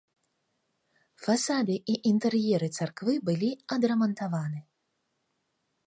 Фасады і інтэр'еры царквы былі адрамантаваны.